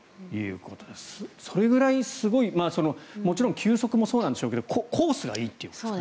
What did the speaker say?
それぐらいすごいもちろん球速もそうなんでしょうけどコースがいいというんですかね。